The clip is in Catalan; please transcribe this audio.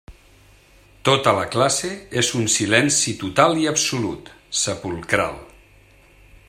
Tota la classe és un silenci total i absolut, sepulcral.